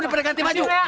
udah udah ganti baju